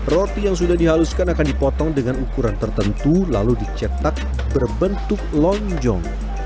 roti yang sudah dihaluskan akan dipotong dengan ukuran tertentu lalu dicetak berbentuk lonjong